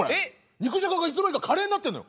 肉じゃががいつの間にかカレーになってるのよ。